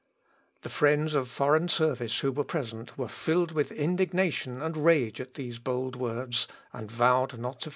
" The friends of foreign service who were present were filled with indignation and rage at these bold words, and vowed not to forget them.